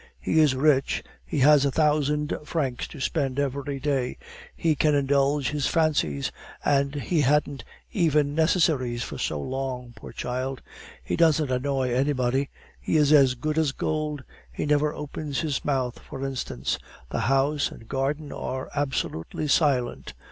He is rich! He has a thousand francs to spend every day; he can indulge his fancies! And he hadn't even necessaries for so long, poor child! He doesn't annoy anybody; he is as good as gold; he never opens his mouth, for instance; the house and garden are absolutely silent.